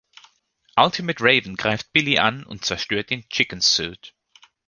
Ultimate Raven greift Billy an und zerstört den Chicken Suit.